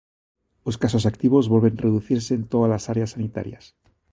Os casos activos volven reducirse en todas as áreas sanitarias.